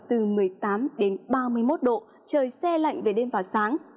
từ một mươi tám đến ba mươi một độ trời xe lạnh về đêm và sáng